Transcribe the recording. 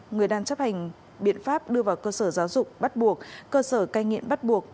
người đang chấp hành biện pháp đưa vào cơ sở giáo dục bắt buộc cơ sở cai nghiện bắt buộc